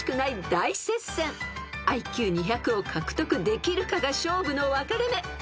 ［ＩＱ２００を獲得できるかが勝負の分かれ目］